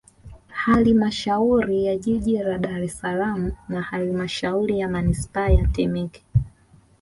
Halmashauri ya Jiji la Dar es Salaam na Halmashauri ya Manispaa ya Temeke